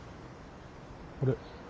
あれ？